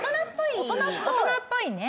大人っぽい。